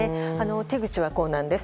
手口はこうなんです。